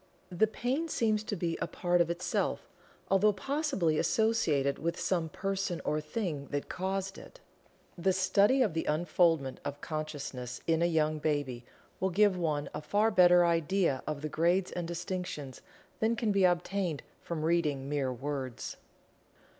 The pain seems to be a part of itself, although possibly associated with some person or thing that caused it. The study of the unfoldment of consciousness in a young baby will give one a far better idea of the grades and distinctions than can be obtained from reading mere words.